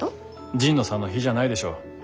神野さんの比じゃないでしょう